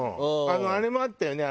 あれもあったよね